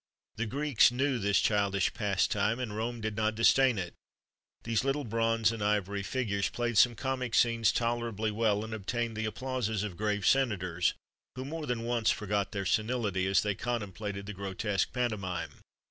The Greeks knew this childish pastime,[XXXV 92] and Rome did not disdain it.[XXXV 93] These little bronze and ivory figures[XXXV 94] played some comic scenes tolerably well, and obtained the applauses of grave senators, who more than once forgot their senility as they contemplated the grotesque pantomime.